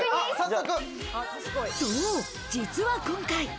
そう、実は今回。